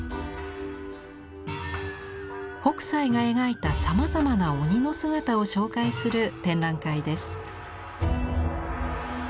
北斎が描いたさまざまな鬼の姿を紹介する展覧会です。